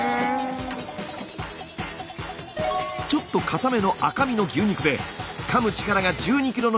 ちょっとかための赤身の牛肉でかむ力が１２キロの